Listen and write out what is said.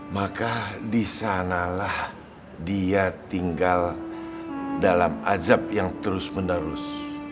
maka disanalah dia tinggal dalam azab yang terus menerus